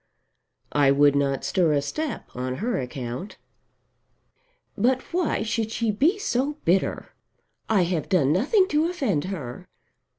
"I would not stir a step on her account." "But why should she be so bitter? I have done nothing to offend her.